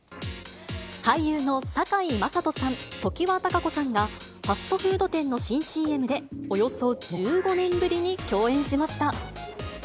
俳優の堺雅人さん、常盤貴子さんが、ファストフード店の新ＣＭでおよそ１５年ぶりに共演しました。